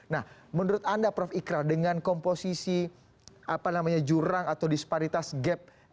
nah menurut anda prof ikra dengan komposisi apa namanya jurang atau disparitas gap elektabilitas